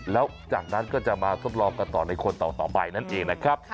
แล้วจากนั้นก็จะมาทดลองกันต่อในคนต่อไปนั่นเองนะครับ